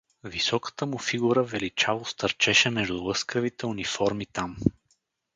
Високата му фигура величаво стърчеше между лъскавите униформи там.